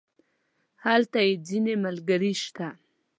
هلته مې ځينې ملګري شته.